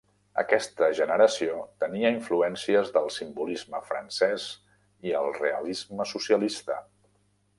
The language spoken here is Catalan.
Aquesta generació tenia influències del simbolisme francès i el realisme socialista.